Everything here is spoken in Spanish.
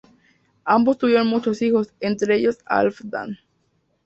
Ambos tuvieron muchos hijos, entre ellos Halfdan.